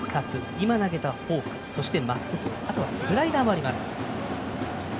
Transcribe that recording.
今、投げたフォークそして、まっすぐあとはスライダーもあります。